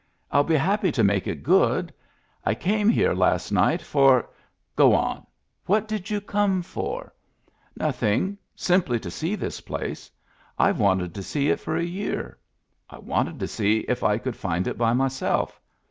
I'll be happy to make it good. I came over here last night for —^"" Go on. What did you come for? " "Nothing. Simply to see this place. I've wanted to see it for a year. I wanted to see if I could find it by myself."